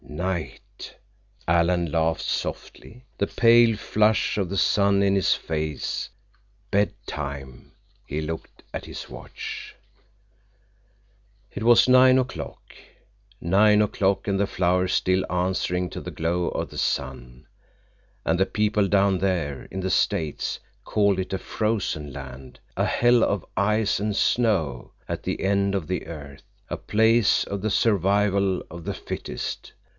Night! Alan laughed softly, the pale flush of the sun in his face. Bedtime! He looked at his watch. It was nine o'clock. Nine o'clock, and the flowers still answering to the glow of the sun! And the people down there—in the States—called it a frozen land, a hell of ice and snow at the end of the earth, a place of the survival of the fittest!